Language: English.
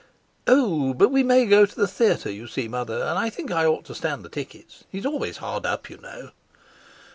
"Oh, but we may go to the theatre, you see, Mother; and I think I ought to stand the tickets; he's always hard up, you know."